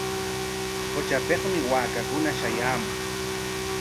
Qutrapikmi waakakuna shayaamuq.